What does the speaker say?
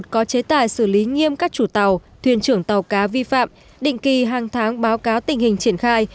có chế tài xử lý nghiêm các chủ tàu thuyền trưởng tàu cá vi phạm định kỳ hàng tháng báo cáo tình hình triển khai